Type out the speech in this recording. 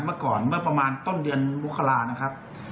เมื่อก่อนเมื่อประมาณต้นเดือนมกรานะครับ